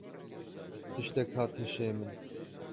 Tiştek hat hişê min.